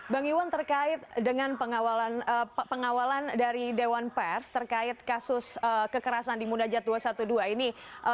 bang iwan terkait dengan pengawalan dari dewan pers terkait kasus kekerasan di munajat dua ratus dua belas ini